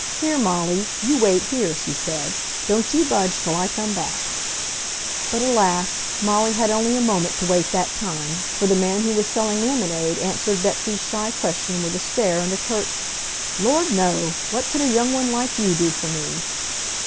"Here, Molly, you wait here," she said. "Don't you budge till I come back." But alas! Molly had only a moment to wait that time, for the man who was selling lemonade answered Betsy's shy question with a stare and a curt, "Lord, no! What could a young one like you do for me?"